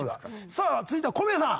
さあ続いては小宮さん。